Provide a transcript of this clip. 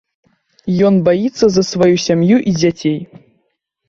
Ён баіцца за сваю сям'ю і дзяцей.